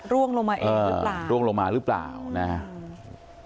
ร่วงลงมาเองหรือเปล่าร่วงลงมาหรือเปล่านะครับ